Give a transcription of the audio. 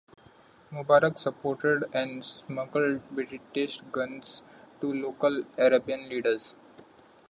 Mubarak supported and smuggled British guns to local Arabian leaders.